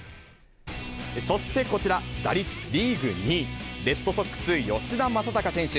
そしてこちら、打率リーグ２位、レッドソックス、吉田正尚選手。